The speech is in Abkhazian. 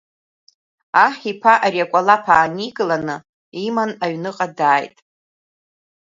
Аҳ иԥа ари акәалаԥ ааникылан, иманы аҩныҟа дааит.